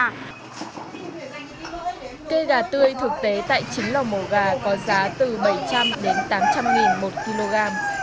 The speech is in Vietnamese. cây gà tươi thực tế tại chín lò mổ gà có giá từ bảy trăm linh đến tám trăm linh nghìn một kg